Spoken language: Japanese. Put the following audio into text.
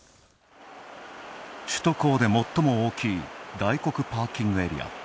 首都高で最も大きい大黒パーキングエリア。